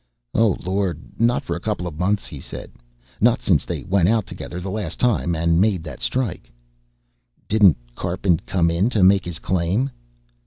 "Oh, Lord, not for a couple of months," he said. "Not since they went out together the last time and made that strike." "Didn't Karpin come in to make his claim?"